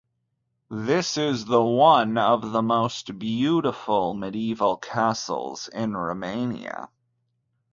This is the one of the most beautiful medieval castles in Romania.